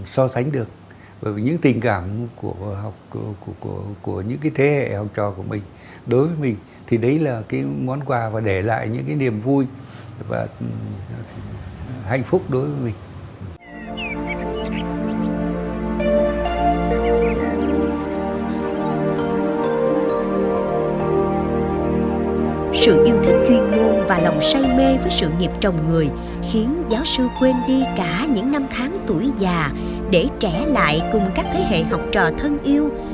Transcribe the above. sự yêu thích chuyên ngôn và lòng say mê với sự nghiệp chồng người khiến giáo sư quên đi cả những năm tháng tuổi già để trẻ lại cùng các thế hệ học trò thân yêu